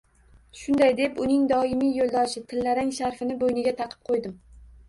Shunday deb, uning doimiy yo‘ldoshi — tillarang sharfini bo‘yniga taqib qo‘ydim